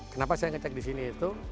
kenapa saya ngecek di sini itu